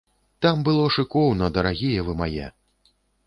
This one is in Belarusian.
Там было шыкоўна, дарагія вы мае!